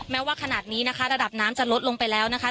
แม้ว่าขนาดนี้นะคะระดับน้ำจะลดลงไปแล้วนะคะ